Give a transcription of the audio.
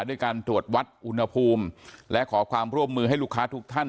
ด้วยการตรวจวัดอุณหภูมิและขอความร่วมมือให้ลูกค้าทุกท่าน